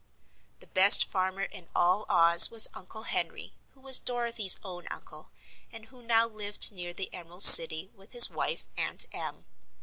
The best farmer in all Oz was Uncle Henry, who was Dorothy's own uncle, and who now lived near the Emerald City with his wife Aunt Em.